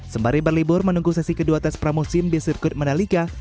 sembari berlibur menunggu sesi kedua tes pramusim di sirkuit mandalika